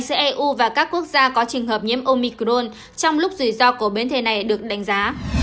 giữa eu và các quốc gia có trường hợp nhiễm omicrone trong lúc rủi ro của biến thể này được đánh giá